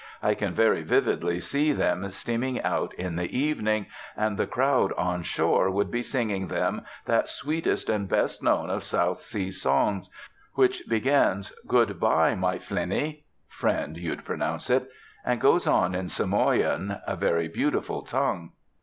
I can very vividly see them steaming out in the evening; and the crowd on shore would be singing them that sweetest and best known of South Sea songs, which begins 'Good bye, my Flenni' ('Friend,' you'd pronounce it), and goes on in Samoan, a very beautiful tongue.